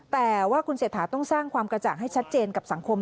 แต่ว่าคุณเศรษฐาต้องสร้างความกระจ่างให้ชัดเจนกับสังคม